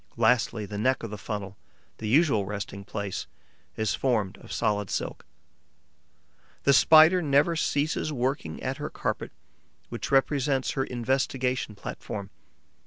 Lastly, the neck of the funnel, the usual resting place, is formed of solid silk. The Spider never ceases working at her carpet, which represents her investigation platform.